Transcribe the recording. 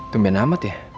tungguan amat ya